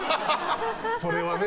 それはね。